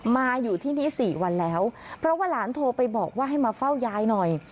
มาอยู่ที่นี่๔วันแล้วเพราะว่าหลานโทรไปบอกว่าให้มาเฝ้ายายหน่อย